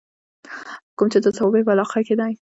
کوم چې د صوابۍ پۀ علاقه کښې دے